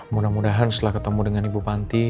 mudah mudahan setelah ketemu dengan ibu panti